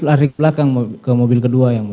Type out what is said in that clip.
lari ke belakang ke mobil kedua